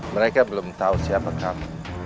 mereka belum tahu siapa kamu